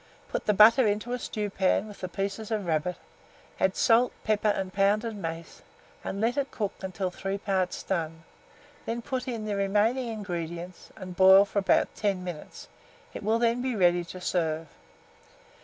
Put the butter into a stewpan with the pieces of rabbit; add salt, pepper, and pounded mace, and let it cook until three parts done; then put in the remaining ingredients, and boil for about 10 minutes: it will then be ready to serve.